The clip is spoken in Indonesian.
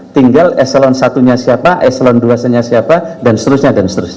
tinggal eselon satunya siapa eselon dua satunya siapa dan seterusnya